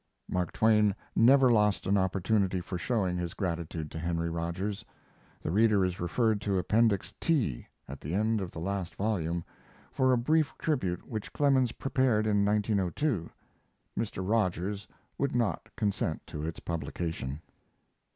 [Mark Twain never lost an opportunity for showing his gratitude to Henry Rogers. The reader is referred to Appendix T, at the end of the last volume, for a brief tribute which Clemens prepared in 1902. Mr. Rogers would not consent to its publication.